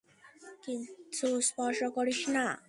কিচ্ছু স্পর্শ করিস না।